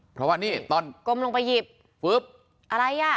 เพราะว่านี่ตอนกมลงไปหยิบปุ๊บอะไรอ่ะ